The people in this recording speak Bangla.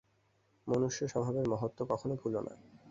মনুষ্য-স্বভাবের মহত্ত্ব কখনও ভুলো না।